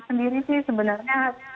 sendiri sih sebenarnya